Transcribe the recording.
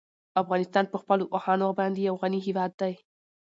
افغانستان په خپلو اوښانو باندې یو غني هېواد دی.